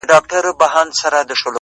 o اوس له خپل ځان څخه پردى يمه زه،